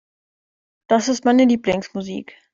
Das ist meine Lieblingsmusik.